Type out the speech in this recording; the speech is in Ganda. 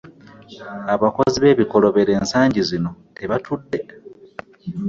Abakozi b'ebikolobero ensangi zino tebatudde.